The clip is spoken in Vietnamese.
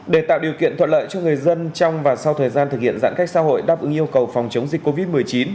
để tạo điều kiện thuận lợi cho người dân trong và sau thời gian thực hiện giãn cách xã hội đáp ứng yêu cầu phòng chống dịch covid một mươi chín